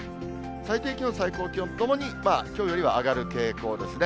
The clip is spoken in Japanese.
最低気温、最高気温ともに、きょうよりは上がる傾向ですね。